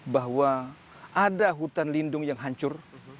bahwa ada hutan lindung yang hancur